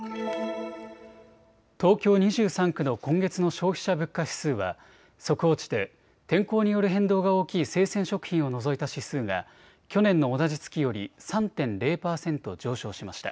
東京２３区の今月の消費者物価指数は速報値で天候による変動が大きい生鮮食品を除いた指数が去年の同じ月より３．０％上昇しました。